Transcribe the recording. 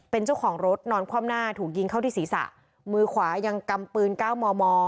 เป็นเจ้าของรถนอนคว่ำหน้าถูกยิงเข้าที่ศีรษะมือขวายังกำปืนเก้ามอมอ